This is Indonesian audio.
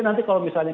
nanti kalau misalnya